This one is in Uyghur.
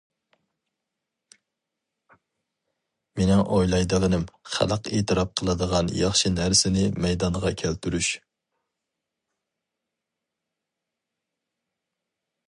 مېنىڭ ئويلايدىغىنىم خەلق ئېتىراپ قىلىدىغان ياخشى نەرسىنى مەيدانغا كەلتۈرۈش.